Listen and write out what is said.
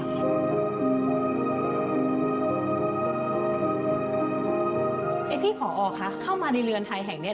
พี่ผอคะเข้ามาในเรือนไทยแห่งนี้